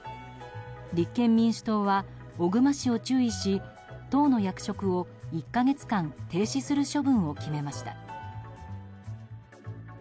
立憲民主党は小熊氏を注意し党の役職を１か月間停止する処分を決めました。